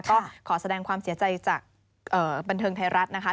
ก็ขอแสดงความเสียใจจากบันเทิงไทยรัฐนะคะ